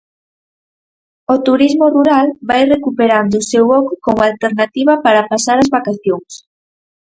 O turismo rural vai recuperando o seu oco como alternativa para pasar as vacacións.